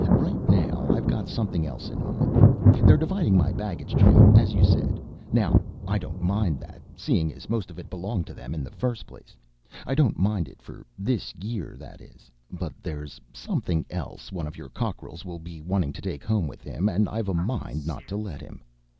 "Right now, I've got something else in mind. They're dividing my baggage train, as you said. Now, I don't mind that, seeing as most of it belonged to them in the first place. I don't mind it for this year, that is. But there's something else one of you cockerels will be wanting to take home with him, and I've a mind not to let him.